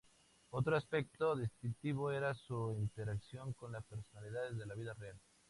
Otro aspecto distintivo era su interacción con personalidades de la vida real.